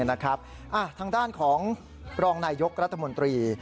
ทางด้านของรองนายยกรัฐมนตรี